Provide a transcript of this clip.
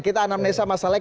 kita anamnesa masalahnya